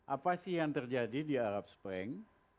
apa sih yang terjadi di arab spring